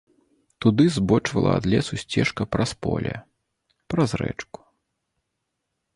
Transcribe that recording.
Туды збочвала ад лесу сцежка праз поле, праз рэчку.